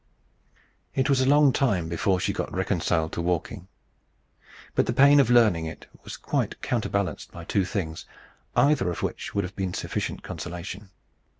It was a long time before she got reconciled to walking. But the pain of learning it was quite counterbalanced by two things, either of which would have been sufficient consolation.